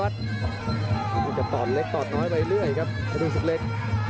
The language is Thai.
ตอดเล็กตอดน้อยไปเรื่อยครับธนูศิกเล็ก